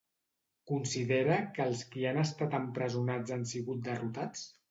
Considera que els qui han estat empresonats han sigut derrotats?